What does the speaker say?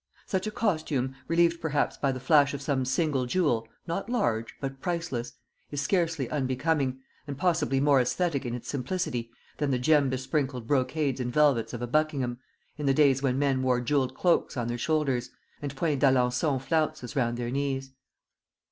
Such a costume, relieved perhaps by the flash of some single jewel, not large, but priceless, is scarcely unbecoming, and possibly more aesthetic in its simplicity than the gem besprinkled brocades and velvets of a Buckingham, in the days when men wore jewelled cloaks on their shoulders, and point d'Alençon flounces round their knees.